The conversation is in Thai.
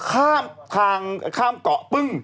ข้ามทางข้ามเกาะปึ้ง